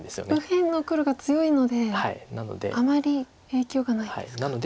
右辺の黒が強いのであまり影響がないんですか。